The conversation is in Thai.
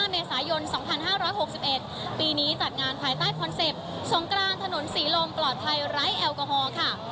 เมษายนสองพันห้าร้อยหกสิบเอ็ดปีนี้จัดงานไข่ใต้คอนเซ็ปต์ทสงครานถนนศรีลมปลอดภัยไร้แอลกอฮอล์ค่ะ